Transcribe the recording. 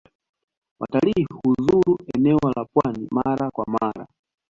Watali huzuru enea la pwani mara kwa mara.